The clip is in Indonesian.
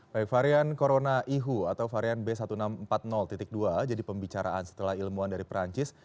baik varian corona ihu atau varian b satu enam ratus empat puluh dua jadi pembicaraan setelah ilmuwan dari perancis